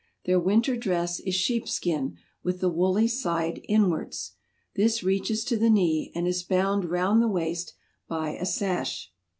Their winter dress is sheep's skin, with the woolly side inwards : this reaches to the knee, and is bound round the waist by a sash.